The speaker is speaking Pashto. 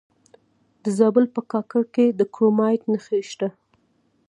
د زابل په کاکړ کې د کرومایټ نښې شته.